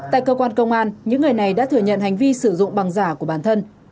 tại cơ quan công an những người này đã thừa nhận hành vi sử dụng bằng giả của bản thân